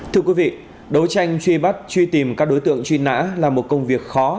thưa quý vị đấu tranh truy bắt truy tìm các đối tượng truy nã là một công việc khó